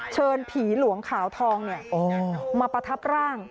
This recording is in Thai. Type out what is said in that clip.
เชิญผีหลวงขาวทองมาประทับร่าง